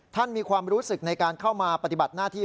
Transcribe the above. มีความรู้สึกในการเข้ามาปฏิบัติหน้าที่